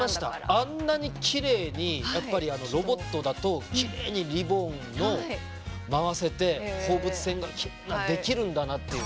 あんなにきれいにやっぱりあのロボットだときれいにリボンの回せて放物線がきれいなできるんだなっていう。